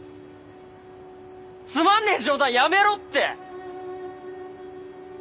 つまんねえ冗談やめろって！